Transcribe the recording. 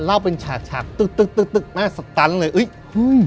เล่าเป็นฉากฉากตึกตึกตึกตึกแม่สตันเลยอุ๊ยอุ้ย